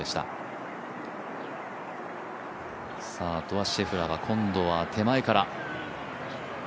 あとはシェフラーは今度は手前から。